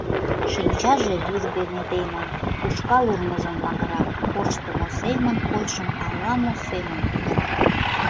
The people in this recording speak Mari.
Шинчаже вӱр дене темын, ушкал урмыжын магыра, корштымо семын почшым ала-мо семын пӱтыра.